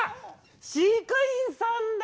飼育員さんだ